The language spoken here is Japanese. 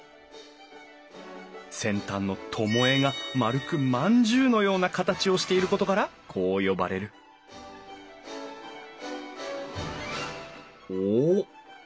先端の巴が丸く饅頭のような形をしていることからこう呼ばれるおっ！